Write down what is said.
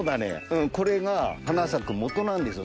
これが花咲くもとなんですよ